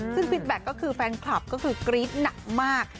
ซึ่งฟิตแบ็คก็คือแฟนคลับก็คือกรี๊ดหนักมาก